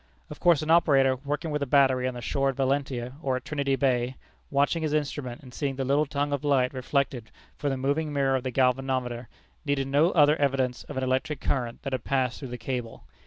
Of course an operator, working with a battery on the shore at Valentia, or at Trinity Bay, watching his instrument, and seeing the little tongue of light reflected from the moving mirror of the galvanometer, needed no other evidence of an electric current that had passed through the cable.